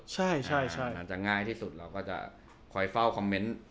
ใช่อาจจะง่ายที่สุดเราก็จะคอยเฝ้าคอมเมนต์